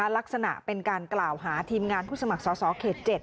ลักษณะเป็นการกล่าวหาทีมงานผู้สมัครสอสอเขต๗